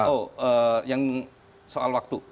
oh yang soal waktu